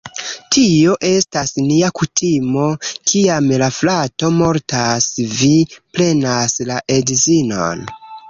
Tio estas nia kutimo, kiam la frato mortas, vi prenas la edzinon